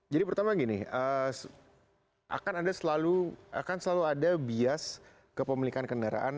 jadi pertama gini hmm akan anda selalu akan selalu ada bias kepemilikan kendaraan